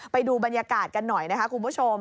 ไปดูบรรยากาศกันหน่อยนะคะคุณผู้ชม